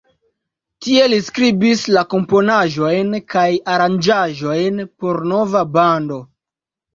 Tie, li skribis la komponaĵojn kaj aranĝaĵojn por nova bando.